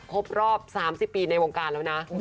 ครบรอบ๓๐ปีในวงการแล้วนะ